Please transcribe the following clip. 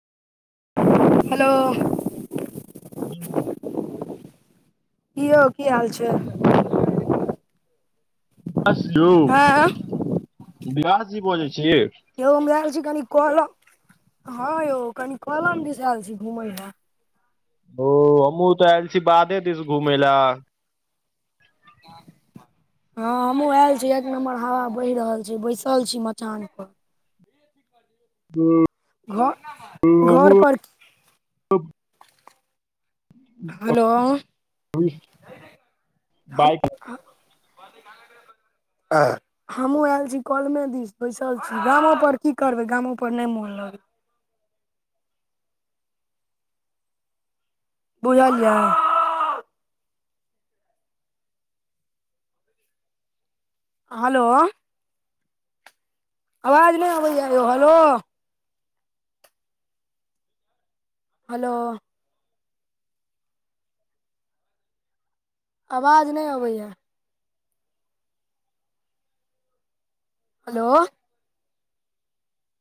Hello हू की यौ की हाल छै? बस यो हँ व्यास जी बजै छी। यौ हम आयल छी कनी कलम हँ यौ कनी कलम दिस आयल छी घूमय ले ओ हमहुँ तऽ आयल छी बाधे दिस घुमय लए हँ हमहु आयल छी एक नम्बर हवा बहि रहल छै बैसल छी मचान पर काज हूं घ घर पर की अभी हलो ह ह बाइक [unintelligible] हमहुं आयल छी कलमे दिस बैसल छी गामो पर की करबैय गामो पर नहि मोन लगैया। बुझलियै। हेलो। आवाज नहि अबैया यौ, हेलो। हेलो। आवाज नै अबैए। हेलो।